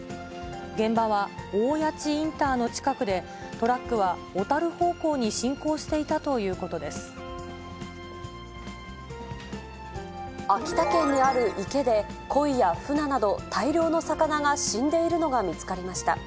現場は大谷地インターの近くで、トラックは小樽方向に進行してい秋田県にある池で、コイやフナなど大量の魚が死んでいるのが見つかりました。